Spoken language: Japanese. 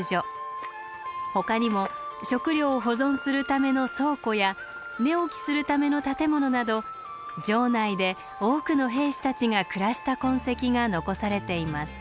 ほかにも食糧を保存するための倉庫や寝起きするための建物など城内で多くの兵士たちが暮らした痕跡が残されています。